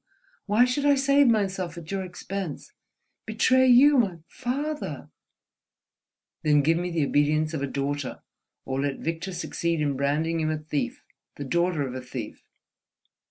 Why should I save myself at your expense?—betray you—my father—!" "Then give me the obedience of a daughter ... or let Victor succeed in branding you a thief, the daughter of a thief!"